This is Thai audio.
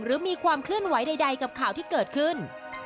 หรือมีความเคลื่อนไหวใดกับข่าวที่เกิดขึ้น